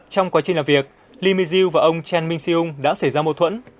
trong quá trình làm việc li mingzhu và ông chen mingxiong đã xảy ra mâu thuẫn